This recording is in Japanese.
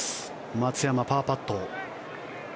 松山、パーパット。